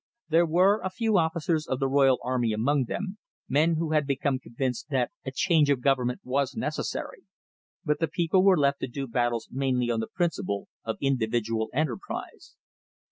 There were a few officers of the royal army among them, men who had become convinced that a change of government was necessary, but the people were left to do battle mainly on the principle of individual enterprise.